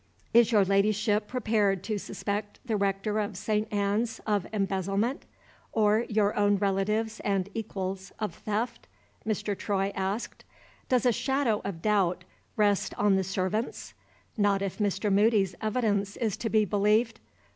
"Is your Ladyship prepared to suspect the Rector of St. Anne's of embezzlement, or your own relatives and equals of theft?" Mr. Troy asked. "Does a shadow of doubt rest on the servants? Not if Mr. Moody's evidence is to be believed.